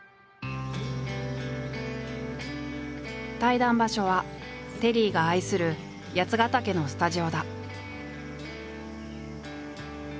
対談場所はテリーが愛する八ヶ岳のスタジオだ。